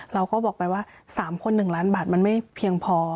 เราก็บอกไปว่า๓คน๑ล้านบาทมันไม่เพียงพอ